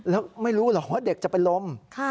แล้วไม่รู้หรอกว่าเด็กจะเป็นลม